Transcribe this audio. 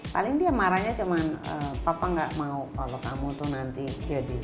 paling dia marahnya cuma papa nggak mau kalau kamu tuh nanti jadi